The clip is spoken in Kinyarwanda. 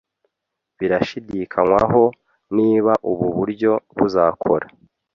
Birashidikanywaho niba ubu buryo buzakora